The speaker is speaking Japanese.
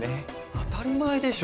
当たり前でしょ